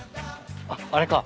あっあれか。